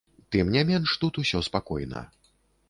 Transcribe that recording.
Тым не менш, тут усё спакойна.